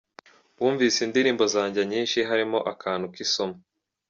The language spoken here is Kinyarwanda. Wumvise indirimbo zanjye nyinshi harimo akantu k’isomo.